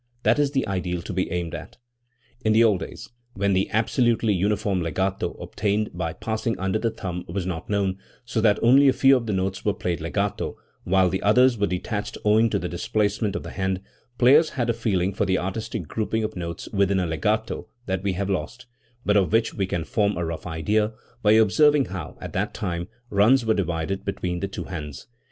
That is the ideal to be aimed at. In the old days, when the absolutely uniform legato obtainable by passing under the thumb was not known, so that only a few of the notes were played legato while the others were detached owing to the displacement of the hand, players had a feeling for the artistic grouping of notes within a legato that we have lost, but of which we can form a rough idea by observing how, at that time, runs were divided between the two hands.